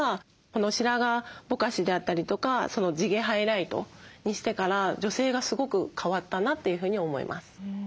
この白髪ぼかしであったりとか地毛ハイライトにしてから女性がすごく変わったなというふうに思います。